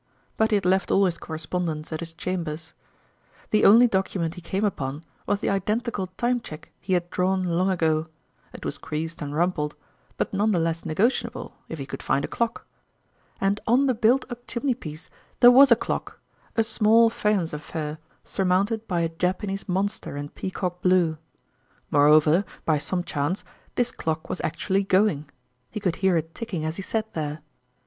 But he had left all his correspondence at his cham bers. The only document he came upon was the identical time cheque he had drawn long ago : it was creased and rumpled ; but none the less negotiable, if he could find a clock. And on the built up chimneypiece there was a clock, a small faience affair surmounted by a Japanese monster in peacock blue. Moreover, by some chance, this clock was actually going he could hear it ticking as he sat there.